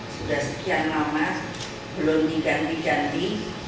sudah sekian lama belum diganti ganti